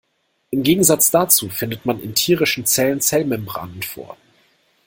Im Gegensatz dazu findet man in tierischen Zellen Zellmembranen vor.